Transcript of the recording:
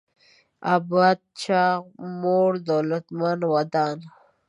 اباد: چاغ، موړ، دولتمن، ودان